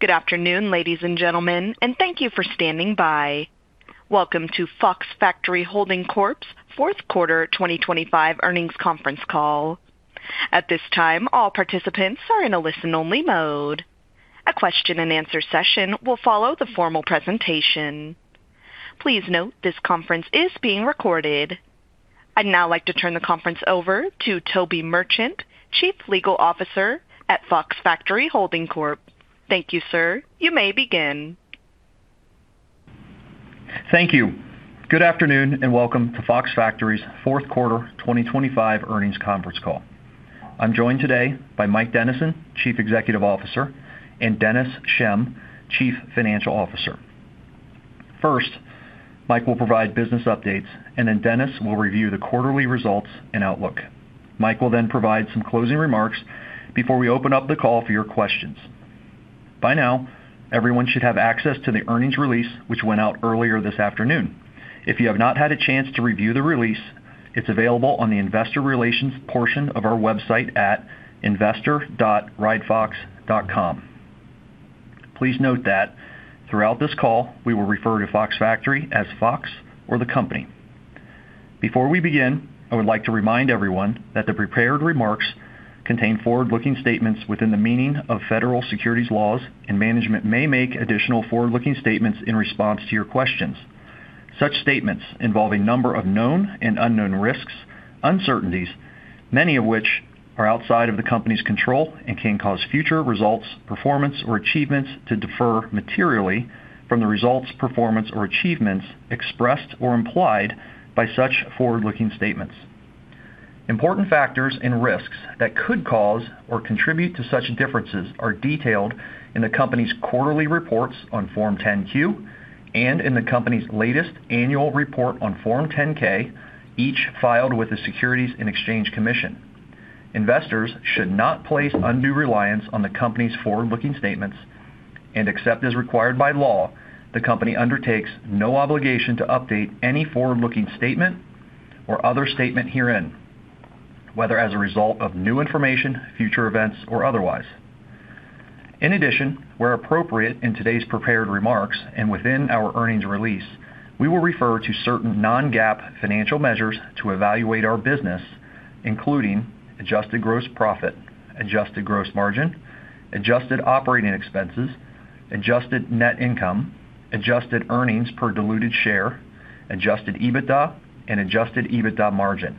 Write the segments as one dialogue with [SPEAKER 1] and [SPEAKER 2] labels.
[SPEAKER 1] Good afternoon, ladies and gentlemen, and thank you for standing by. Welcome to Fox Factory Holding Corp's fourth quarter 2025 earnings conference call. At this time, all participants are in a listen-only mode. A question and answer session will follow the formal presentation. Please note, this conference is being recorded. I'd now like to turn the conference over to Toby Merchant, Chief Legal Officer at Fox Factory Holding Corp. Thank you, sir. You may begin.
[SPEAKER 2] Thank you. Good afternoon, welcome to Fox Factory's fourth quarter 2025 earnings conference call. I'm joined today by Mike Dennison, Chief Executive Officer, and Dennis Schemm, Chief Financial Officer. First, Mike will provide business updates, and then Dennis will review the quarterly results and outlook. Mike will then provide some closing remarks before we open up the call for your questions. By now, everyone should have access to the earnings release, which went out earlier this afternoon. If you have not had a chance to review the release, it's available on the investor relations portion of our website at investor.ridefox.com. Please note that throughout this call, we will refer to Fox Factory as Fox or the company. Before we begin, I would like to remind everyone that the prepared remarks contain forward-looking statements within the meaning of federal securities laws, and management may make additional forward-looking statements in response to your questions. Such statements involve a number of known and unknown risks, uncertainties, many of which are outside of the company's control and can cause future results, performance, or achievements to defer materially from the results, performance, or achievements expressed or implied by such forward-looking statements. Important factors and risks that could cause or contribute to such differences are detailed in the company's quarterly reports on Form 10-Q and in the company's latest annual report on Form 10-K, each filed with the Securities and Exchange Commission. Investors should not place undue reliance on the company's forward-looking statements, except as required by law, the company undertakes no obligation to update any forward-looking statement or other statement herein, whether as a result of new information, future events, or otherwise. In addition, where appropriate in today's prepared remarks and within our earnings release, we will refer to certain non-GAAP financial measures to evaluate our business, including adjusted gross profit, adjusted gross margin, adjusted operating expenses, adjusted net income, adjusted earnings per diluted share, adjusted EBITDA, and adjusted EBITDA margin.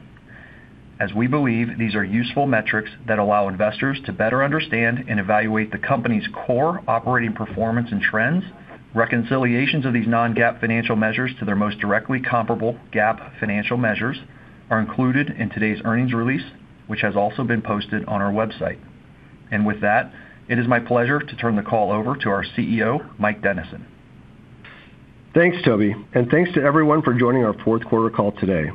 [SPEAKER 2] As we believe these are useful metrics that allow investors to better understand and evaluate the company's core operating performance and trends, reconciliations of these non-GAAP financial measures to their most directly comparable GAAP financial measures are included in today's earnings release, which has also been posted on our website. With that, it is my pleasure to turn the call over to our CEO, Mike Dennison.
[SPEAKER 3] Thanks, Toby, and thanks to everyone for joining our fourth quarter call today.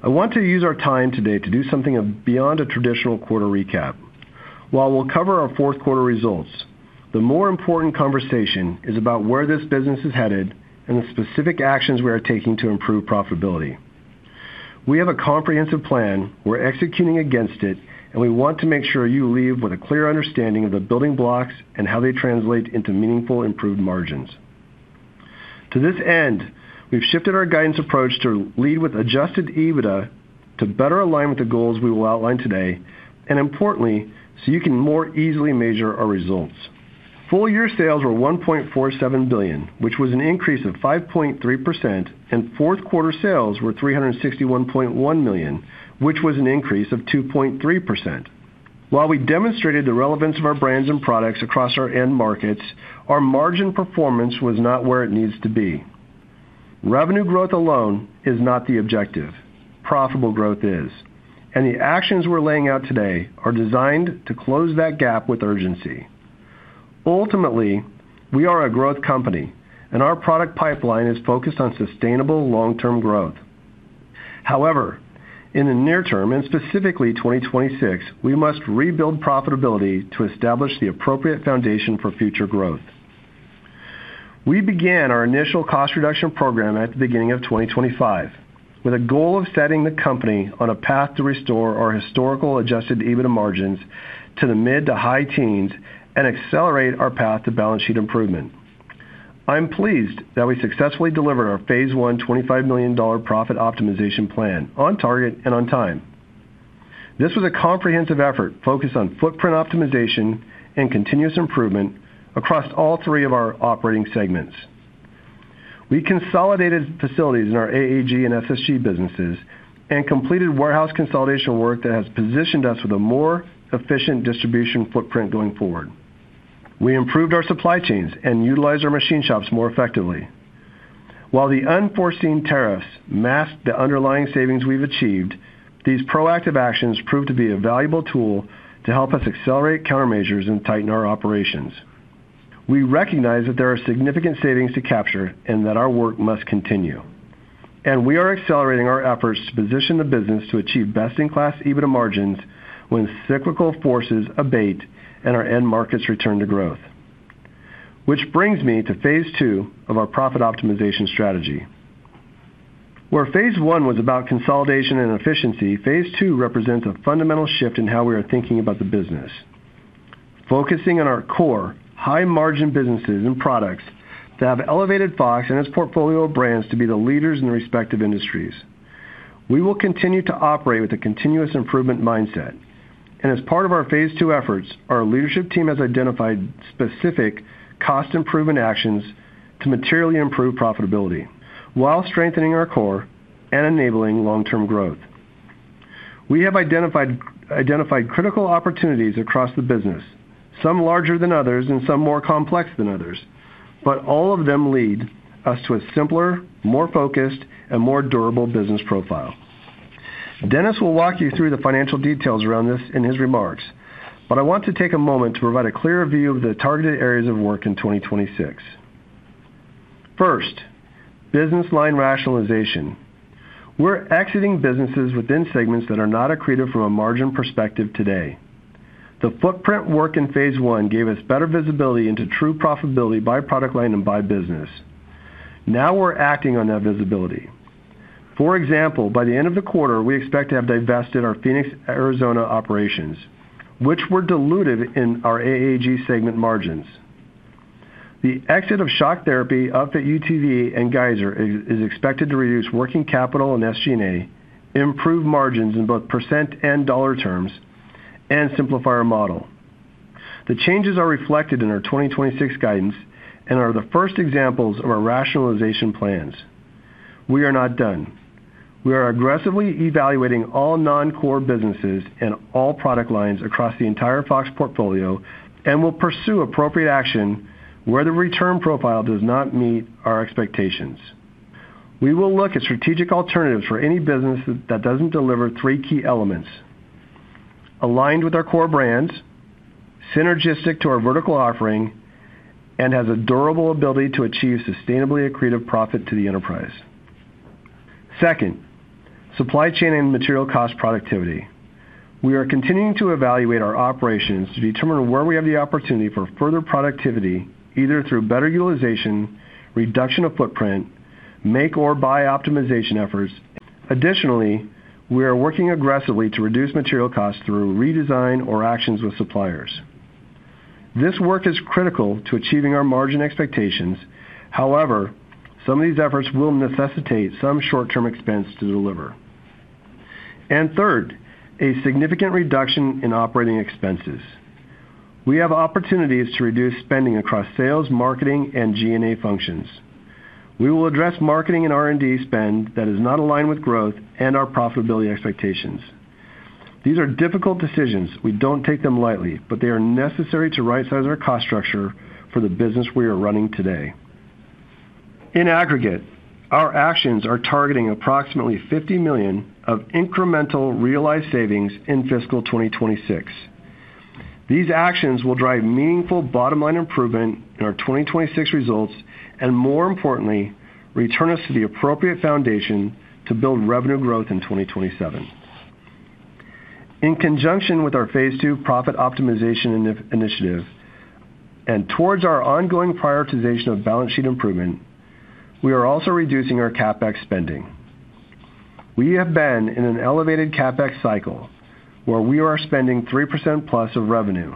[SPEAKER 3] I want to use our time today to do something beyond a traditional quarter recap. While we'll cover our fourth quarter results, the more important conversation is about where this business is headed and the specific actions we are taking to improve profitability. We have a comprehensive plan, we're executing against it, and we want to make sure you leave with a clear understanding of the building blocks and how they translate into meaningful improved margins. To this end, we've shifted our guidance approach to lead with adjusted EBITDA to better align with the goals we will outline today, and importantly, so you can more easily measure our results. Full-year sales were $1.47 billion, which was an increase of 5.3%, and fourth quarter sales were $361.1 million, which was an increase of 2.3%. While we demonstrated the relevance of our brands and products across our end markets, our margin performance was not where it needs to be. Revenue growth alone is not the objective. Profitable growth is, and the actions we're laying out today are designed to close that gap with urgency. Ultimately, we are a growth company, and our product pipeline is focused on sustainable long-term growth. However, in the near term, and specifically 2026, we must rebuild profitability to establish the appropriate foundation for future growth. We began our initial cost reduction program at the beginning of 2025, with a goal of setting the company on a path to restore our historical adjusted EBITDA margins to the mid-to-high teens and accelerate our path to balance sheet improvement. I'm pleased that we successfully delivered our phase I $25 million profit optimization plan on target and on time. This was a comprehensive effort focused on footprint optimization and continuous improvement across all three of our operating segments. We consolidated facilities in our AAG and SSG businesses and completed warehouse consolidation work that has positioned us with a more efficient distribution footprint going forward. We improved our supply chains and utilized our machine shops more effectively. While the unforeseen tariffs masked the underlying savings we've achieved, these proactive actions proved to be a valuable tool to help us accelerate countermeasures and tighten our operations. We recognize that there are significant savings to capture and that our work must continue. We are accelerating our efforts to position the business to achieve best-in-class EBITDA margins when cyclical forces abate and our end markets return to growth. Which brings me to phase II of our profit optimization strategy. Where phase I was about consolidation and efficiency, phase II represents a fundamental shift in how we are thinking about the business. Focusing on our core, high-margin businesses and products that have elevated Fox and its portfolio of brands to be the leaders in their respective industries. We will continue to operate with a continuous improvement mindset. As part of our phase II efforts, our leadership team has identified specific cost improvement actions to materially improve profitability while strengthening our core and enabling long-term growth. We have identified critical opportunities across the business, some larger than others and some more complex than others. All of them lead us to a simpler, more focused, and more durable business profile. Dennis will walk you through the financial details around this in his remarks. I want to take a moment to provide a clearer view of the targeted areas of work in 2026. First, business line rationalization. We're exiting businesses within segments that are not accretive from a margin perspective today. The footprint work in phase I gave us better visibility into true profitability by product line and by business. We're acting on that visibility. For example, by the end of the quarter, we expect to have divested our Phoenix, Arizona, operations, which were diluted in our AAG segment margins. The exit of Shock Therapy, Upfit UTV, and Geiser is expected to reduce working capital and SG&A, improve margins in both % and dollar terms, and simplify our model. The changes are reflected in our 2026 guidance and are the first examples of our rationalization plans. We are not done. We are aggressively evaluating all non-core businesses and all product lines across the entire Fox portfolio and will pursue appropriate action where the return profile does not meet our expectations. We will look at strategic alternatives for any business that doesn't deliver three key elements: aligned with our core brands, synergistic to our vertical offering, and has a durable ability to achieve sustainably accretive profit to the enterprise. Second, supply chain and material cost productivity. We are continuing to evaluate our operations to determine where we have the opportunity for further productivity, either through better utilization, reduction of footprint, make or buy optimization efforts. We are working aggressively to reduce material costs through redesign or actions with suppliers. This work is critical to achieving our margin expectations. Some of these efforts will necessitate some short-term expense to deliver. Third, a significant reduction in operating expenses. We have opportunities to reduce spending across sales, marketing, and G&A functions. We will address marketing and R&D spend that is not aligned with growth and our profitability expectations. These are difficult decisions. We don't take them lightly, but they are necessary to rightsize our cost structure for the business we are running today. In aggregate, our actions are targeting approximately $50 million of incremental realized savings in fiscal 2026. These actions will drive meaningful bottom-line improvement in our 2026 results, and more importantly, return us to the appropriate foundation to build revenue growth in 2027. In conjunction with our phase II profit optimization initiative, and towards our ongoing prioritization of balance sheet improvement, we are also reducing our CapEx spending. We have been in an elevated CapEx cycle, where we are spending 3%+ of revenue.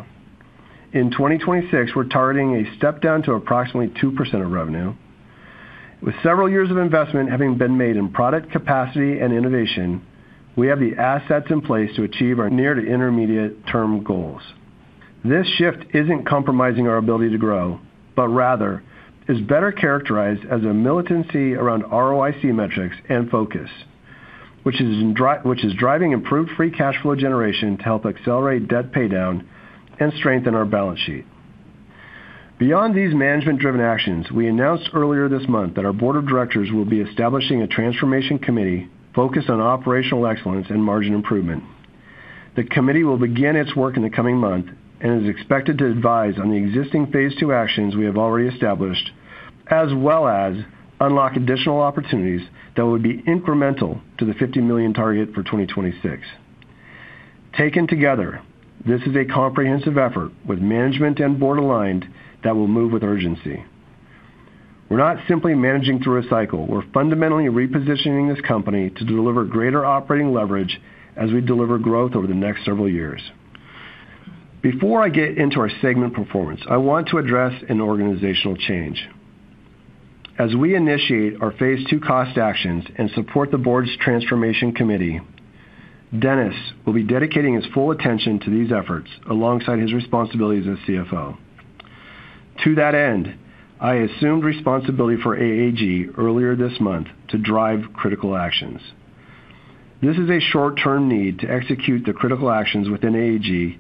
[SPEAKER 3] In 2026, we're targeting a step down to approximately 2% of revenue. With several years of investment having been made in product capacity and innovation, we have the assets in place to achieve our near to intermediate term goals. This shift isn't compromising our ability to grow, but rather is better characterized as a militancy around ROIC metrics and focus, which is driving improved free cash flow generation to help accelerate debt paydown and strengthen our balance sheet. Beyond these management-driven actions, we announced earlier this month that our board of directors will be establishing a transformation committee focused on operational excellence and margin improvement. The committee will begin its work in the coming month and is expected to advise on the existing phase II actions we have already established, as well as unlock additional opportunities that would be incremental to the $50 million target for 2026. Taken together, this is a comprehensive effort with management and board aligned that will move with urgency. We're not simply managing through a cycle, we're fundamentally repositioning this company to deliver greater operating leverage as we deliver growth over the next several years. Before I get into our segment performance, I want to address an organizational change. As we initiate our phase II cost actions and support the board's transformation committee, Dennis Schemm will be dedicating his full attention to these efforts alongside his responsibilities as CFO. To that end, I assumed responsibility for AAG earlier this month to drive critical actions. This is a short-term need to execute the critical actions within AAG,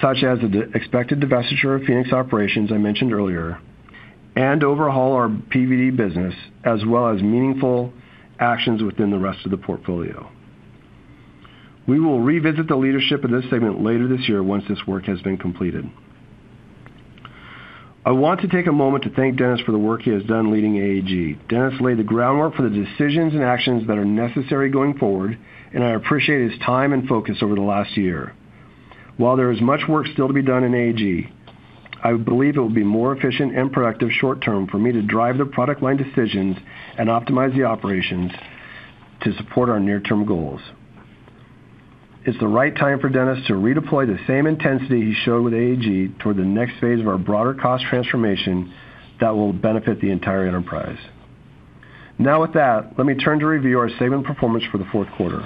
[SPEAKER 3] such as the expected divestiture of Phoenix operations I mentioned earlier, and overhaul our PVD business, as well as meaningful actions within the rest of the portfolio. We will revisit the leadership in this segment later this year once this work has been completed. I want to take a moment to thank Dennis for the work he has done leading AAG. Dennis laid the groundwork for the decisions and actions that are necessary going forward, and I appreciate his time and focus over the last year. While there is much work still to be done in AAG, I believe it will be more efficient and productive short-term for me to drive the product line decisions and optimize the operations to support our near-term goals. It's the right time for Dennis to redeploy the same intensity he showed with AAG toward the next phase of our broader cost transformation that will benefit the entire enterprise. With that, let me turn to review our segment performance for the fourth quarter.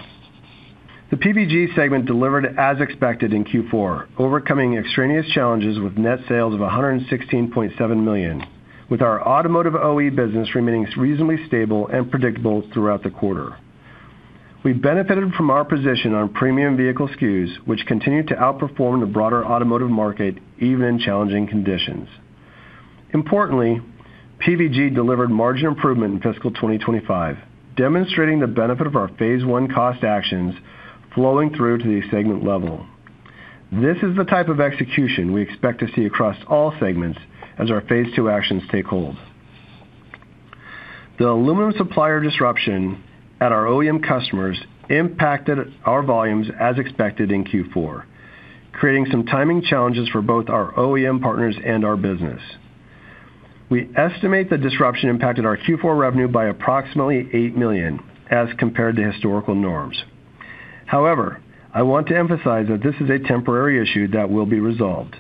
[SPEAKER 3] The PVG segment delivered as expected in Q4, overcoming extraneous challenges with net sales of $116.7 million, with our automotive OE business remaining reasonably stable and predictable throughout the quarter. We benefited from our position on premium vehicle SKUs, which continued to outperform the broader automotive market, even in challenging conditions. Importantly, PVG delivered margin improvement in fiscal 2025, demonstrating the benefit of our phase I cost actions flowing through to the segment level. This is the type of execution we expect to see across all segments as our phase II actions take hold. The aluminum supplier disruption at our OEM customers impacted our volumes as expected in Q4, creating some timing challenges for both our OEM partners and our business. We estimate the disruption impacted our Q4 revenue by approximately $8 million as compared to historical norms. I want to emphasize that this is a temporary issue that will be resolved.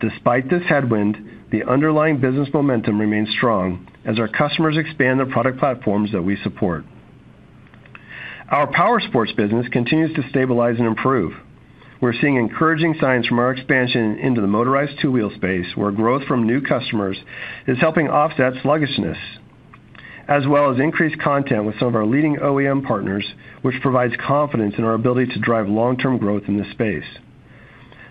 [SPEAKER 3] Despite this headwind, the underlying business momentum remains strong as our customers expand the product platforms that we support. Our powersports business continues to stabilize and improve. We're seeing encouraging signs from our expansion into the motorized two-wheel space, where growth from new customers is helping offset sluggishness, as well as increased content with some of our leading OEM partners, which provides confidence in our ability to drive long-term growth in this space.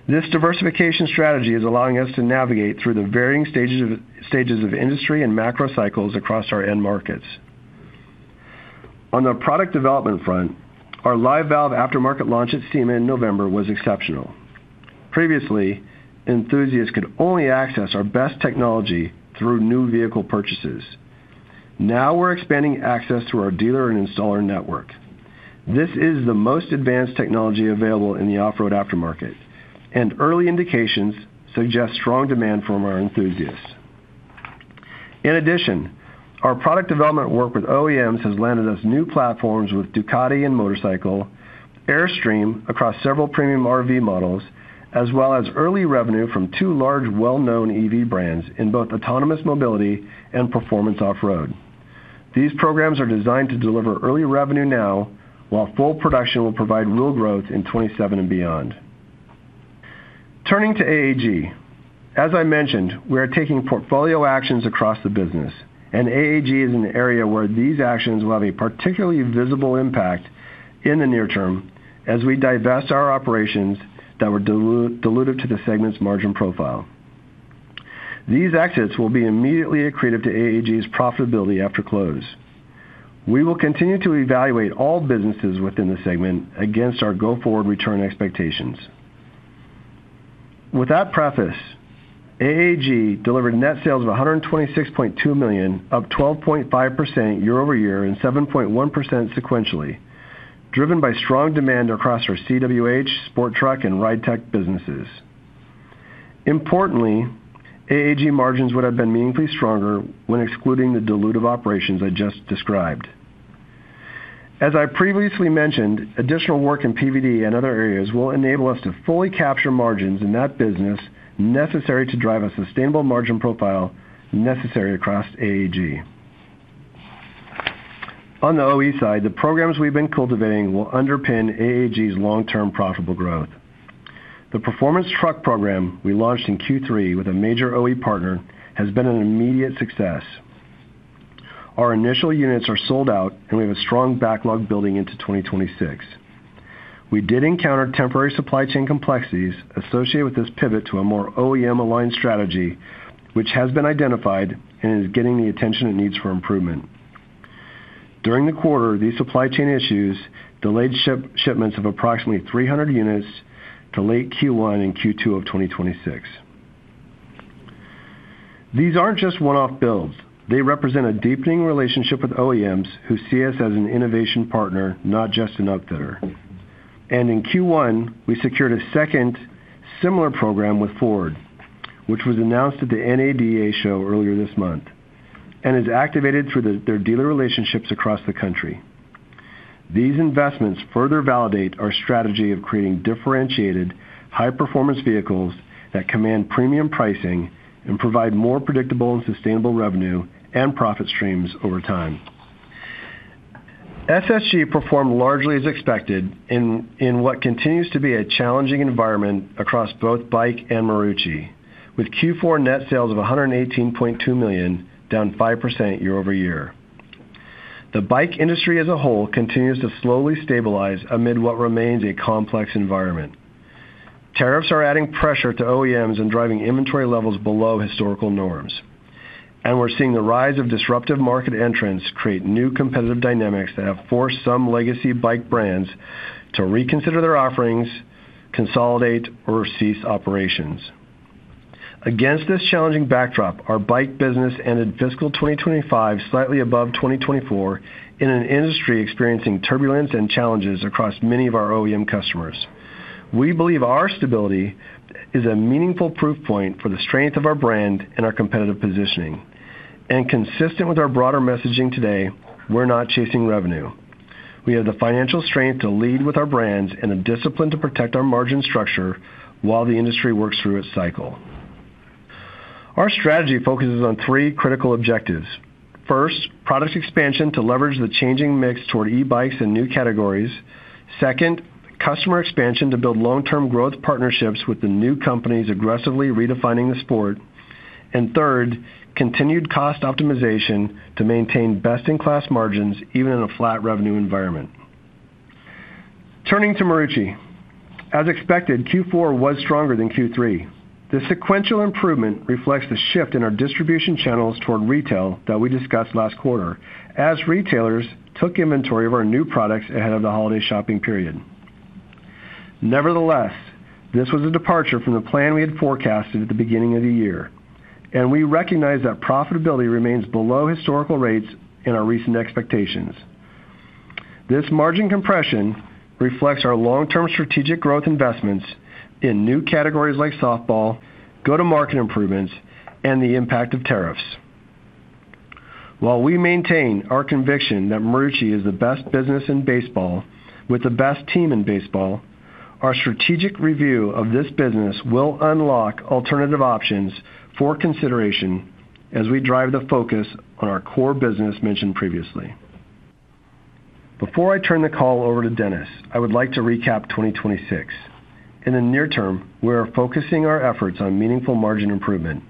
[SPEAKER 3] This diversification strategy is allowing us to navigate through the varying stages of industry and macro cycles across our end markets. On the product development front, our Live Valve aftermarket launch at SEMA in November was exceptional. Previously, enthusiasts could only access our best technology through new vehicle purchases. Now we're expanding access to our dealer and installer network. This is the most advanced technology available in the off-road aftermarket. Early indications suggest strong demand from our enthusiasts. Our product development work with OEMs has landed us new platforms with Ducati and Triumph, Airstream across several premium RV models, as well as early revenue from two large, well-known EV brands in both autonomous mobility and performance off-road. These programs are designed to deliver early revenue now, while full production will provide real growth in 27 and beyond. As I mentioned, we are taking portfolio actions across the business. AAG is an area where these actions will have a particularly visible impact in the near term as we divest our operations that were dilutive to the segment's margin profile. These exits will be immediately accretive to AAG's profitability after close. We will continue to evaluate all businesses within the segment against our go-forward return expectations. With that preface, AAG delivered net sales of $126.2 million, up 12.5% year-over-year and 7.1% sequentially, driven by strong demand across our CWH, Sport Truck, and Ridetech businesses. Importantly, AAG margins would have been meaningfully stronger when excluding the dilutive operations I just described. As I previously mentioned, additional work in PVD and other areas will enable us to fully capture margins in that business necessary to drive a sustainable margin profile necessary across AAG. On the OE side, the programs we've been cultivating will underpin AAG's long-term profitable growth. The performance truck program we launched in Q3 with a major OE partner has been an immediate success. Our initial units are sold out, and we have a strong backlog building into 2026. We did encounter temporary supply chain complexities associated with this pivot to a more OEM-aligned strategy, which has been identified and is getting the attention it needs for improvement. During the quarter, these supply chain issues delayed shipments of approximately 300 units to late Q1 and Q2 of 2026. These aren't just one-off builds. They represent a deepening relationship with OEMs who see us as an innovation partner, not just an upfitter. In Q1, we secured a second similar program with Ford, which was announced at the NADA show earlier this month, and is activated through their dealer relationships across the country. These investments further validate our strategy of creating differentiated, high-performance vehicles that command premium pricing and provide more predictable and sustainable revenue and profit streams over time. SSG performed largely as expected in what continues to be a challenging environment across both bike and Marucci, with Q4 net sales of $118.2 million, down 5% year-over-year. The bike industry as a whole continues to slowly stabilize amid what remains a complex environment. Tariffs are adding pressure to OEMs and driving inventory levels below historical norms. We're seeing the rise of disruptive market entrants create new competitive dynamics that have forced some legacy bike brands to reconsider their offerings, consolidate, or cease operations. Against this challenging backdrop, our bike business ended fiscal 2025 slightly above 2024, in an industry experiencing turbulence and challenges across many of our OEM customers. We believe our stability is a meaningful proof point for the strength of our brand and our competitive positioning. Consistent with our broader messaging today, we're not chasing revenue. We have the financial strength to lead with our brands and the discipline to protect our margin structure while the industry works through its cycle. Our strategy focuses on three critical objectives. First, product expansion to leverage the changing mix toward e-bikes and new categories. Second, customer expansion to build long-term growth partnerships with the new companies aggressively redefining the sport. Third, continued cost optimization to maintain best-in-class margins, even in a flat revenue environment. Turning to Marucci. As expected, Q4 was stronger than Q3. The sequential improvement reflects the shift in our distribution channels toward retail that we discussed last quarter, as retailers took inventory of our new products ahead of the holiday shopping period. Nevertheless, this was a departure from the plan we had forecasted at the beginning of the year, and we recognize that profitability remains below historical rates in our recent expectations. This margin compression reflects our long-term strategic growth investments in new categories like softball, go-to-market improvements, and the impact of tariffs. While we maintain our conviction that Marucci is the best business in baseball, with the best team in baseball, our strategic review of this business will unlock alternative options for consideration as we drive the focus on our core business mentioned previously. Before I turn the call over to Dennis, I would like to recap 2026. In the near term, we are focusing our efforts on meaningful margin improvement.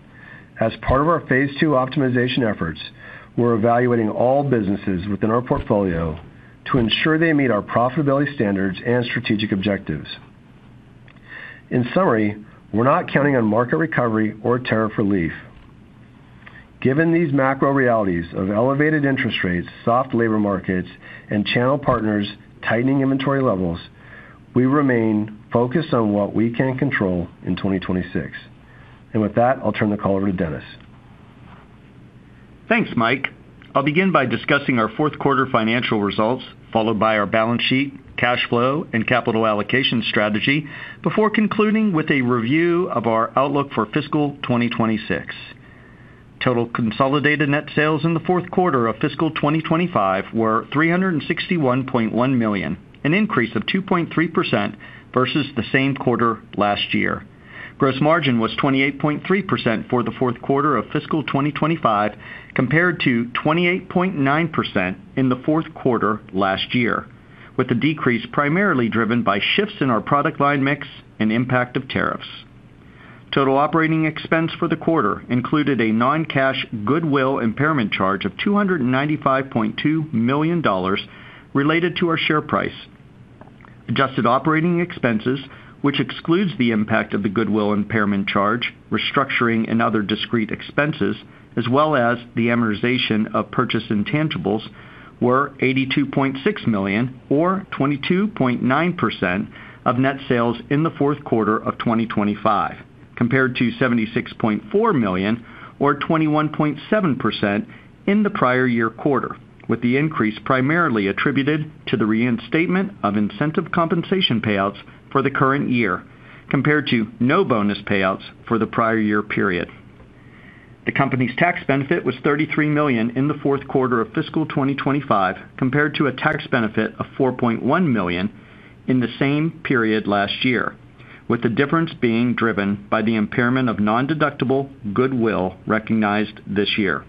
[SPEAKER 3] As part of our phase II optimization efforts, we're evaluating all businesses within our portfolio to ensure they meet our profitability standards and strategic objectives. In summary, we're not counting on market recovery or tariff relief. Given these macro realities of elevated interest rates, soft labor markets, and channel partners tightening inventory levels, we remain focused on what we can control in 2026. With that, I'll turn the call over to Dennis.
[SPEAKER 4] Thanks, Mike. I'll begin by discussing our fourth quarter financial results, followed by our balance sheet, cash flow, and capital allocation strategy, before concluding with a review of our outlook for fiscal 2026. Total consolidated net sales in the fourth quarter of fiscal 2025 were $361.1 million, an increase of 2.3% versus the same quarter last year. Gross margin was 28.3% for the fourth quarter of fiscal 2025, compared to 28.9% in the fourth quarter last year, with the decrease primarily driven by shifts in our product line mix and impact of tariffs. Total operating expense for the quarter included a non-cash goodwill impairment charge of $295.2 million related to our share price. Adjusted operating expenses, which excludes the impact of the goodwill impairment charge, restructuring and other discrete expenses, as well as the amortization of purchase intangibles, were $82.6 million or 22.9% of net sales in the fourth quarter of 2025, compared to $76.4 million or 21.7% in the prior year quarter, with the increase primarily attributed to the reinstatement of incentive compensation payouts for the current year, compared to no bonus payouts for the prior year period. The company's tax benefit was $33 million in the fourth quarter of fiscal 2025, compared to a tax benefit of $4.1 million in the same period last year, with the difference being driven by the impairment of nondeductible goodwill recognized this year.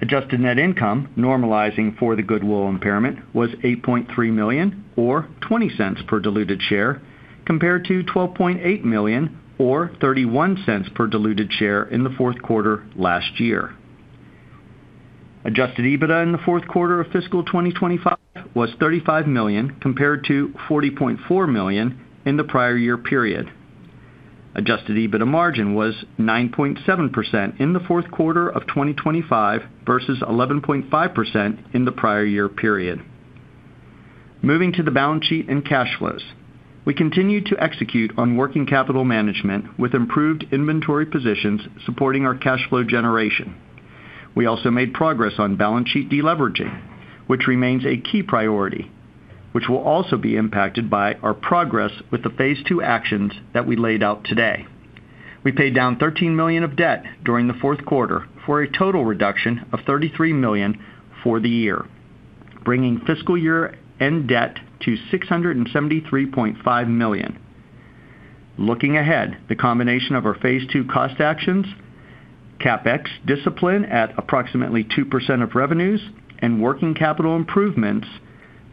[SPEAKER 4] Adjusted net income, normalizing for the goodwill impairment, was $8.3 million or $0.20 per diluted share, compared to $12.8 million or $0.31 per diluted share in the fourth quarter last year. Adjusted EBITDA in the fourth quarter of fiscal 2025 was $35 million, compared to $40.4 million in the prior year period. Adjusted EBITDA margin was 9.7% in the fourth quarter of 2025 versus 11.5% in the prior year period. Moving to the balance sheet and cash flows. We continued to execute on working capital management with improved inventory positions supporting our cash flow generation. We also made progress on balance sheet deleveraging, which remains a key priority, which will also be impacted by our progress with the phase II actions that we laid out today. We paid down $13 million of debt during the fourth quarter for a total reduction of $33 million for the year, bringing fiscal year-end debt to $673.5 million. Looking ahead, the combination of our phase II cost actions, CapEx discipline at approximately 2% of revenues, and working capital improvements,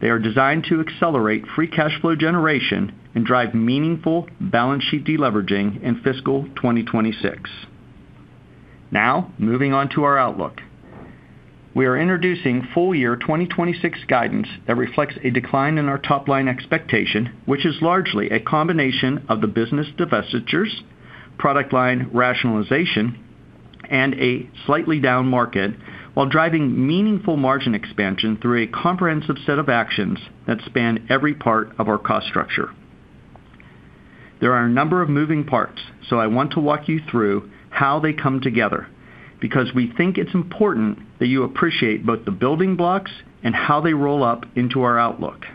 [SPEAKER 4] they are designed to accelerate free cash flow generation and drive meaningful balance sheet deleveraging in fiscal 2026. Moving on to our outlook. We are introducing full year 2026 guidance that reflects a decline in our top-line expectation, which is largely a combination of the business divestitures, product line rationalization, and a slightly down market, while driving meaningful margin expansion through a comprehensive set of actions that span every part of our cost structure. There are a number of moving parts. I want to walk you through how they come together, because we think it's important that you appreciate both the building blocks and how they roll up into our outlook.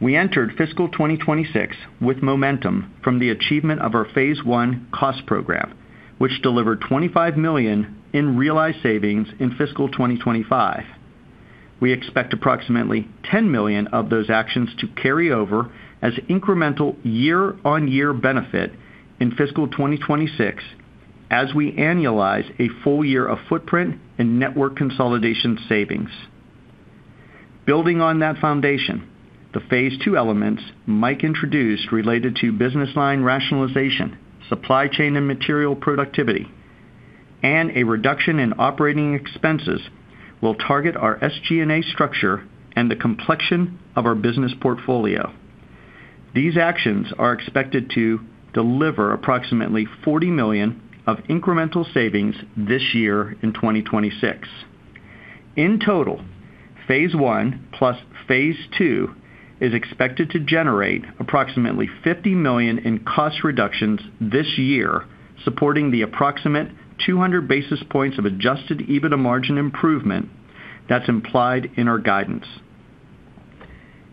[SPEAKER 4] We entered fiscal 2026 with momentum from the achievement of our phase I cost program, which delivered $25 million in realized savings in fiscal 2025. We expect approximately $10 million of those actions to carry over as incremental year-on-year benefit in fiscal 2026, as we annualize a full year of footprint and network consolidation savings. Building on that foundation, the phase II elements Mike introduced related to business line rationalization, supply chain and material productivity, and a reduction in operating expenses, will target our SG&A structure and the complexion of our business portfolio. These actions are expected to deliver approximately $40 million of incremental savings this year in 2026. In total, phase I plus phase II is expected to generate approximately $50 million in cost reductions this year, supporting the approximate 200 basis points of adjusted EBITDA margin improvement that's implied in our guidance.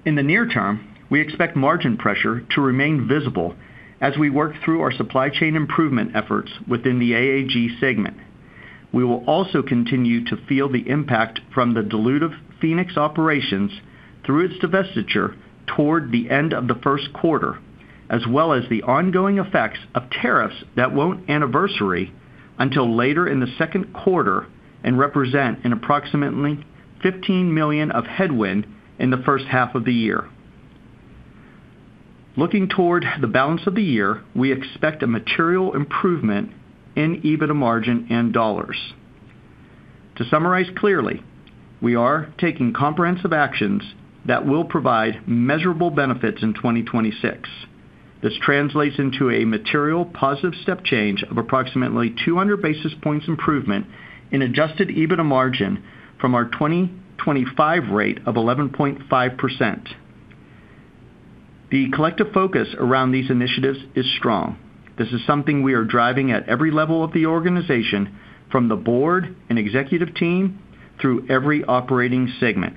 [SPEAKER 4] In the near term, we expect margin pressure to remain visible as we work through our supply chain improvement efforts within the AAG segment. We will also continue to feel the impact from the dilutive Phoenix operations through its divestiture toward the end of the first quarter, as well as the ongoing effects of tariffs that won't anniversary until later in the second quarter and represent an approximately $15 million of headwind in the first half of the year. Looking toward the balance of the year, we expect a material improvement in EBITDA margin and dollars. To summarize clearly, we are taking comprehensive actions that will provide measurable benefits in 2026. This translates into a material positive step change of approximately 200 basis points improvement in adjusted EBITDA margin from our 2025 rate of 11.5%. The collective focus around these initiatives is strong. This is something we are driving at every level of the organization, from the board and executive team through every operating segment.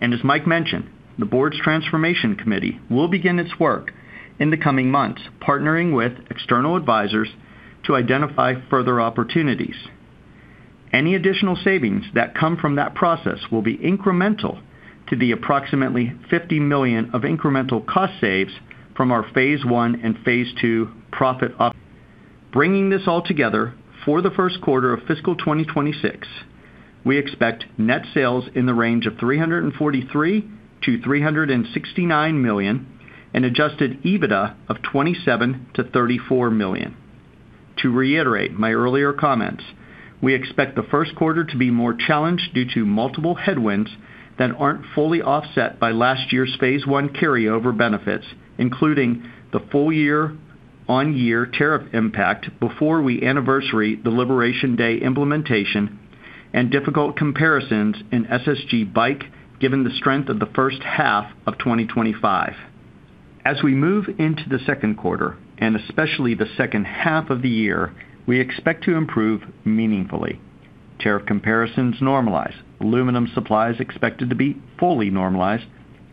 [SPEAKER 4] As Mike mentioned, the board's transformation committee will begin its work in the coming months, partnering with external advisors to identify further opportunities. Any additional savings that come from that process will be incremental to the approximately $50 million of incremental cost saves from our phase I and phase II profit up. Bringing this all together, for the first quarter of fiscal 2026, we expect net sales in the range of $343 million-$369 million and adjusted EBITDA of $27 million-$34 million. To reiterate my earlier comments, we expect the first quarter to be more challenged due to multiple headwinds that aren't fully offset by last year's phase I carryover benefits, including the full year-on-year tariff impact before we anniversary the Liberation Day implementation and difficult comparisons in SSG Bike, given the strength of the first half of 2025. As we move into the second quarter, and especially the second half of the year, we expect to improve meaningfully. Tariff comparisons normalize, aluminum supply is expected to be fully normalized,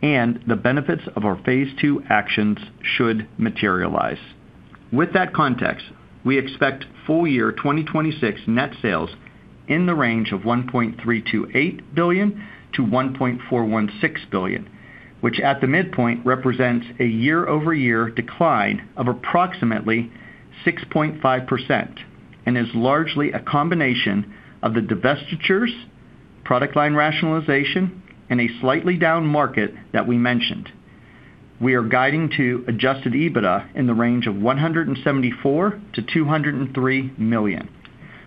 [SPEAKER 4] and the benefits of our phase II actions should materialize. With that context, we expect full year 2026 net sales in the range of $1.328 billion-$1.416 billion, which at the midpoint represents a year-over-year decline of approximately 6.5% and is largely a combination of the divestitures, product line rationalization, and a slightly down market that we mentioned. We are guiding to adjusted EBITDA in the range of $174 million-$203 million,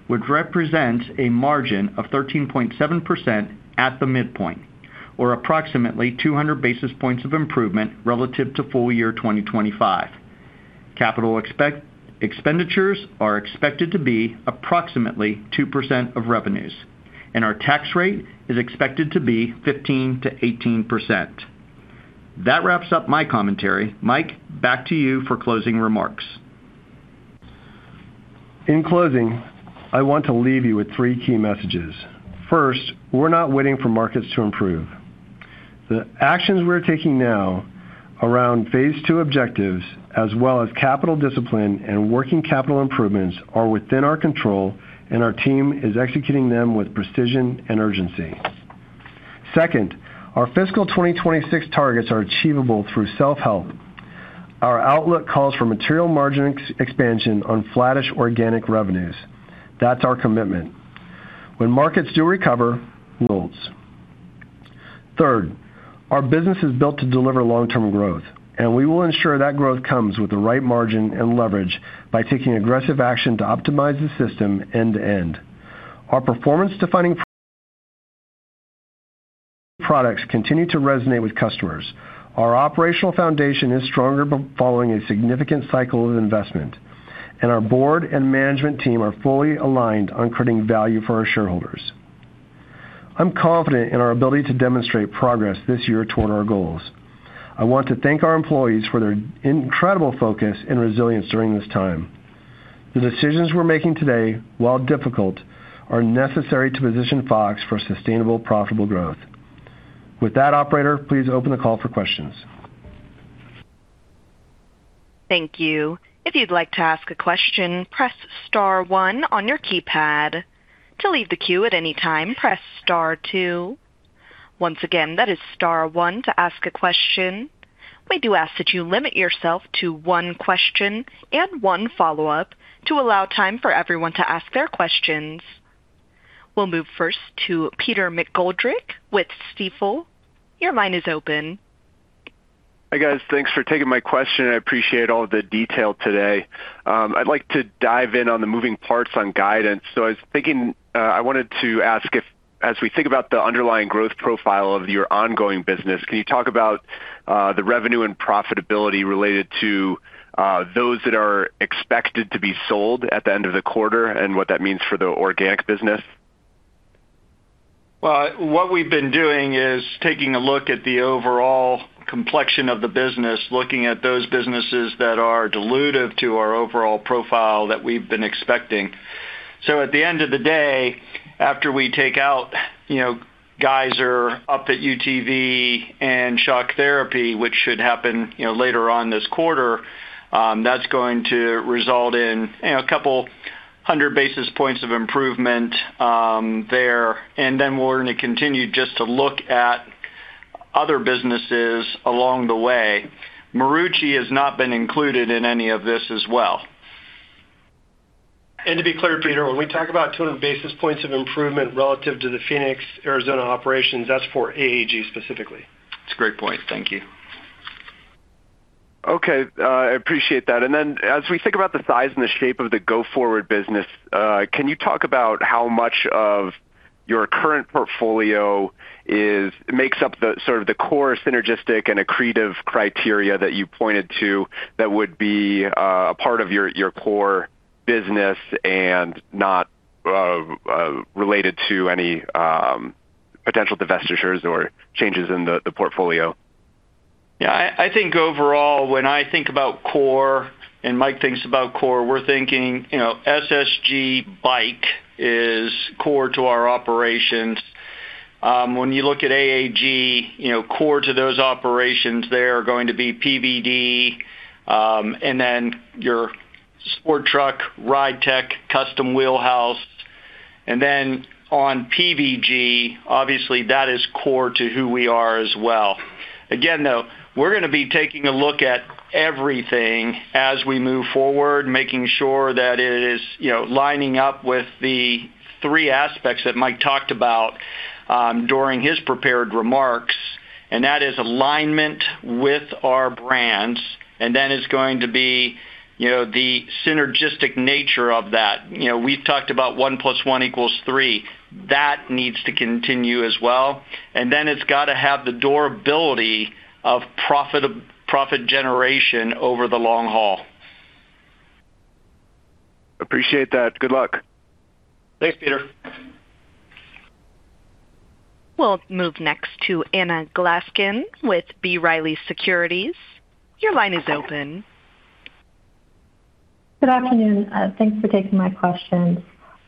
[SPEAKER 4] which represents a margin of 13.7% at the midpoint, or approximately 200 basis points of improvement relative to full year 2025. Capital expenditures are expected to be approximately 2% of revenues, our tax rate is expected to be 15%-18%. That wraps up my commentary. Mike, back to you for closing remarks.
[SPEAKER 3] In closing, I want to leave you with three key messages. First, we're not waiting for markets to improve. The actions we're taking now around phase II objectives, as well as capital discipline and working capital improvements, are within our control, and our team is executing them with precision and urgency. Second, our fiscal 2026 targets are achievable through self-help. Our outlook calls for material margin expansion on flattish organic revenues. That's our commitment. When markets do recover, goals. Third, our business is built to deliver long-term growth, and we will ensure that growth comes with the right margin and leverage by taking aggressive action to optimize the system end to end. Our performance-defining products continue to resonate with customers. Our operational foundation is stronger following a significant cycle of investment. Our board and management team are fully aligned on creating value for our shareholders. I'm confident in our ability to demonstrate progress this year toward our goals. I want to thank our employees for their incredible focus and resilience during this time. The decisions we're making today, while difficult, are necessary to position Fox for sustainable, profitable growth. With that, operator, please open the call for questions.
[SPEAKER 1] Thank you. If you'd like to ask a question, press star one on your keypad. To leave the queue at any time, press star two. Once again, that is star one to ask a question. We do ask that you limit yourself to one question and one follow-up to allow time for everyone to ask their questions. We'll move first to Peter McGoldrick with Stifel. Your line is open.
[SPEAKER 5] Hi, guys. Thanks for taking my question. I appreciate all the detail today. I'd like to dive in on the moving parts on guidance. I was thinking, I wanted to ask if, as we think about the underlying growth profile of your ongoing business, can you talk about the revenue and profitability related to those that are expected to be sold at the end of the quarter and what that means for the organic business?
[SPEAKER 3] What we've been doing is taking a look at the overall complexion of the business, looking at those businesses that are dilutive to our overall profile that we've been expecting. At the end of the day, after we take out, you know, Geiser, Upfit UTV and Shock Therapy, which should happen, you know, later on this quarter, that's going to result in, you know, 200 basis points of improvement there, and then we're going to continue just to look at other businesses along the way. Marucci has not been included in any of this as well. To be clear, Peter, when we talk about 200 basis points of improvement relative to the Phoenix, Arizona, operations, that's for AAG specifically.
[SPEAKER 5] It's a great point. Thank you. Okay, I appreciate that. As we think about the size and the shape of the go-forward business, can you talk about how much of your current portfolio makes up the sort of the core synergistic and accretive criteria that you pointed to that would be a part of your core business and not related to any potential divestitures or changes in the portfolio?
[SPEAKER 4] I think overall, when I think about core and Mike thinks about core, we're thinking, you know, SSG bike is core to our operations. When you look at AAG, you know, core to those operations, there are going to be PVD, and then your Sport Truck, Ridetech, Custom Wheel House. On PVG, obviously, that is core to who we are as well. Again, though, we're gonna be taking a look at everything as we move forward, making sure that it is, you know, lining up with the three aspects that Mike talked about during his prepared remarks, and that is alignment with our brands, and then it's going to be, you know, the synergistic nature of that. You know, we've talked about one plus one equals three. That needs to continue as well. It's got to have the durability of profit generation over the long haul.
[SPEAKER 5] Appreciate that. Good luck.
[SPEAKER 4] Thanks, Peter.
[SPEAKER 1] We'll move next to Anna Glaessgen with B. Riley Securities. Your line is open.
[SPEAKER 6] Good afternoon. Thanks for taking my question.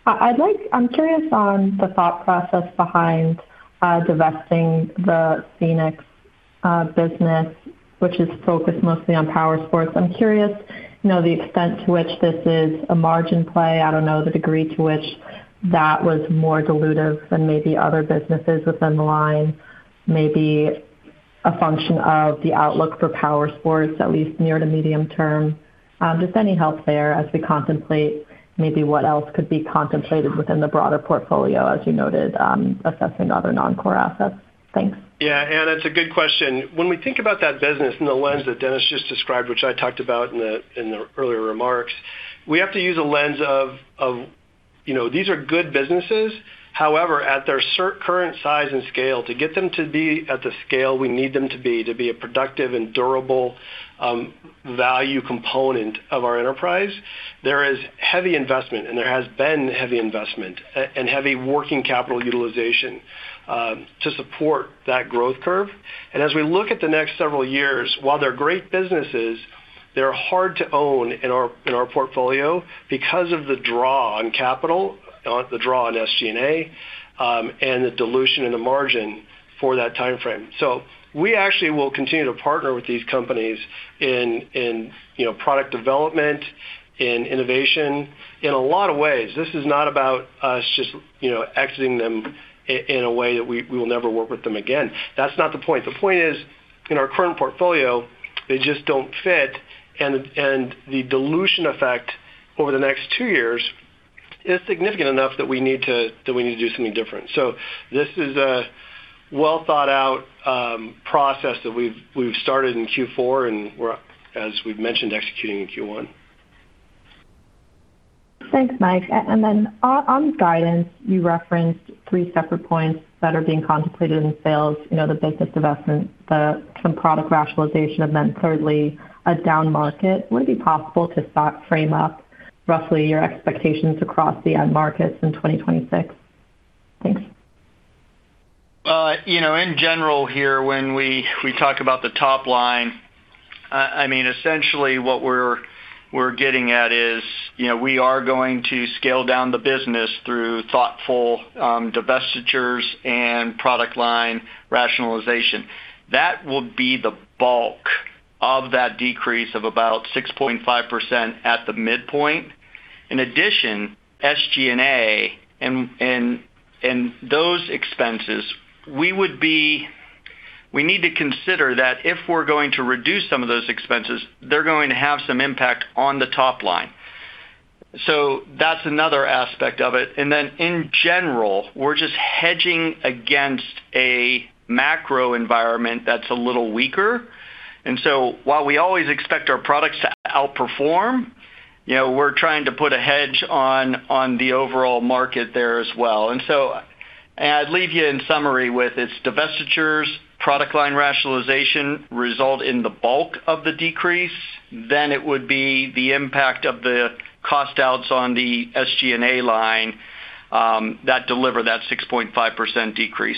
[SPEAKER 6] I'm curious on the thought process behind divesting the Phoenix business, which is focused mostly on power sports. I'm curious, you know, the extent to which this is a margin play. I don't know the degree to which that was more dilutive than maybe other businesses within the line, maybe a function of the outlook for power sports, at least near to medium term. Just any help there as we contemplate maybe what else could be contemplated within the broader portfolio, as you noted, assessing other non-core assets? Thanks.
[SPEAKER 3] Yeah, Anna, it's a good question. When we think about that business in the lens that Dennis just described, which I talked about in the, in the earlier remarks, we have to use a lens of, you know, these are good businesses. However, at their current size and scale, to get them to be at the scale we need them to be, to be a productive and durable value component of our enterprise, there is heavy investment, and there has been heavy investment and heavy working capital utilization to support that growth curve. As we look at the next several years, while they're great businesses, they're hard to own in our, in our portfolio because of the draw on capital, the draw on SG&A, and the dilution in the margin for that time frame. We actually will continue to partner with these companies in, you know, product development, in innovation, in a lot of ways. This is not about us just, you know, exiting them in a way that we will never work with them again. That's not the point. The point is, in our current portfolio, they just don't fit, and the dilution effect over the next two years is significant enough that we need to do something different. This is a well-thought-out process that we've started in Q4, and we're, as we've mentioned, executing in Q1.
[SPEAKER 6] Thanks, Mike. On guidance, you referenced three separate points that are being contemplated in sales, you know, the business divestment, the some product rationalization, and then thirdly, a down market. Would it be possible to stock frame up roughly your expectations across the end markets in 2026? Thanks.
[SPEAKER 4] You know, in general here, when we talk about the top line, I mean, essentially what we're getting at is, you know, we are going to scale down the business through thoughtful divestitures and product line rationalization. That will be the bulk of that decrease of about 6.5% at the midpoint. In addition, SG&A and those expenses, we need to consider that if we're going to reduce some of those expenses, they're going to have some impact on the top line. That's another aspect of it. In general, we're just hedging against a macro environment that's a little weaker. While we always expect our products to outperform, you know, we're trying to put a hedge on the overall market there as well. I'd leave you in summary with its divestitures, product line rationalization, result in the bulk of the decrease, it would be the impact of the cost outs on the SG&A line that deliver that 6.5% decrease.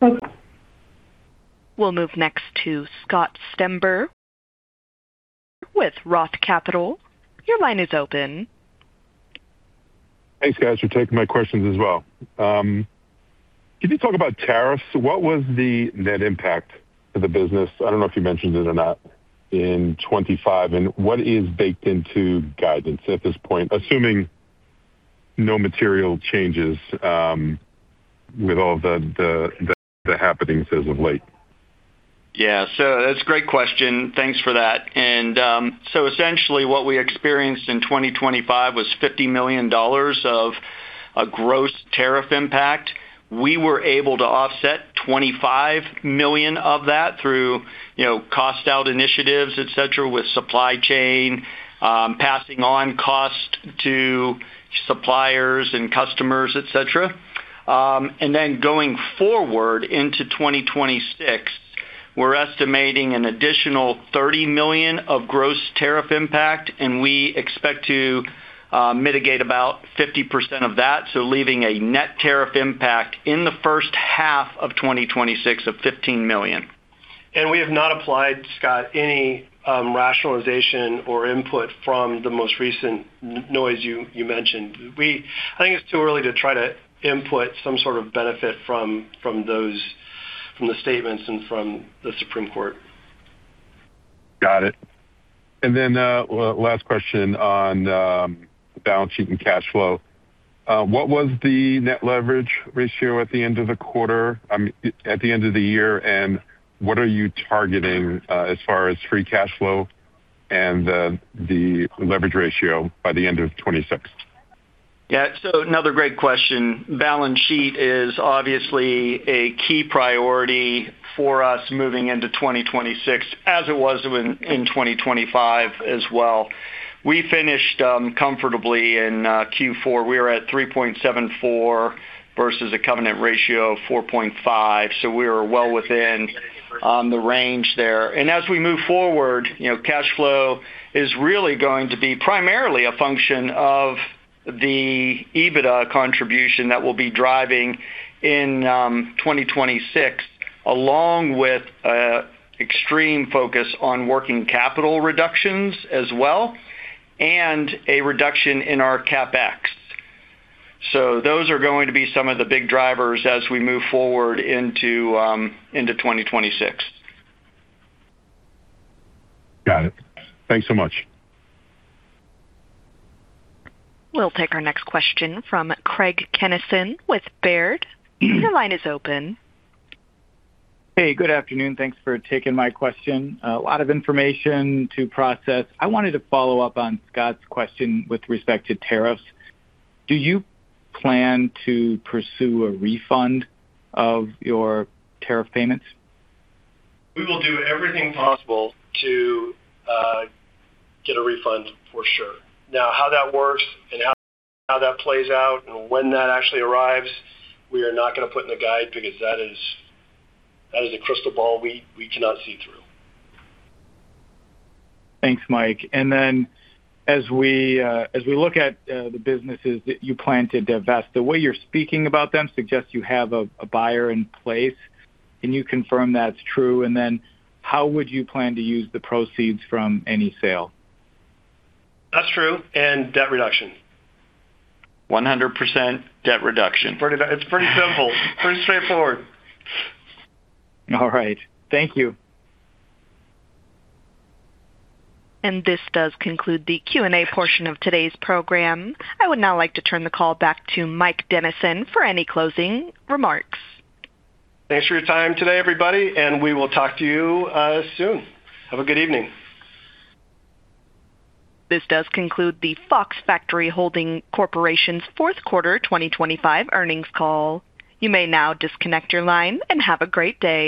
[SPEAKER 6] Thanks.
[SPEAKER 1] We'll move next to Scott Stember with Roth MKM. Your line is open.
[SPEAKER 7] Thanks, guys, for taking my questions as well. Can you talk about tariffs? What was the net impact to the business, I don't know if you mentioned it or not, in 2025, and what is baked into guidance at this point, assuming no material changes, with all the happenings as of late?
[SPEAKER 4] Yeah. That's a great question. Thanks for that. Essentially what we experienced in 2025 was $50 million of a gross tariff impact. We were able to offset $25 million of that through, you know, cost out initiatives, et cetera, with supply chain, passing on cost to suppliers and customers, et cetera. Going forward into 2026, we're estimating an additional $30 million of gross tariff impact, and we expect to mitigate about 50% of that, so leaving a net tariff impact in the first half of 2026 of $15 million.
[SPEAKER 3] We have not applied, Scott, any rationalization or input from the most recent noise you mentioned. I think it's too early to try to input some sort of benefit from those, from the statements and from the Supreme Court.
[SPEAKER 7] Got it. Last question on balance sheet and cash flow. What was the net leverage ratio at the end of the quarter, at the end of the year, and what are you targeting, as far as free cash flow and the leverage ratio by the end of 2026?
[SPEAKER 4] Yeah, another great question. Balance sheet is obviously a key priority for us moving into 2026, as it was in 2025 as well. We finished comfortably in Q4. We are at 3.74% versus a covenant ratio of 4.5%. We are well within the range there. As we move forward, you know, cash flow is really going to be primarily a function of the EBITDA contribution that we'll be driving in 2026, along with extreme focus on working capital reductions as well, and a reduction in our CapEx. Those are going to be some of the big drivers as we move forward into 2026.
[SPEAKER 7] Got it. Thanks so much.
[SPEAKER 1] We'll take our next question from Craig Kennison with Baird. Your line is open.
[SPEAKER 8] Hey, good afternoon. Thanks for taking my question. A lot of information to process. I wanted to follow up on Scott's question with respect to tariffs. Do you plan to pursue a refund of your tariff payments?
[SPEAKER 3] We will do everything possible to get a refund, for sure. How that works and how that plays out and when that actually arrives, we are not gonna put in the guide because that is a crystal ball we cannot see through.
[SPEAKER 8] Thanks, Mike. As we look at the businesses that you plan to divest, the way you're speaking about them suggests you have a buyer in place. Can you confirm that's true? How would you plan to use the proceeds from any sale?
[SPEAKER 3] That's true, and debt reduction.
[SPEAKER 4] 100% debt reduction.
[SPEAKER 3] It's pretty simple, pretty straightforward.
[SPEAKER 8] All right. Thank you.
[SPEAKER 1] This does conclude the Q&A portion of today's program. I would now like to turn the call back to Mike Dennison for any closing remarks.
[SPEAKER 3] Thanks for your time today, everybody, and we will talk to you soon. Have a good evening.
[SPEAKER 1] This does conclude the Fox Factory Holding Corporation's fourth quarter 2025 earnings call. You may now disconnect your line and have a great day.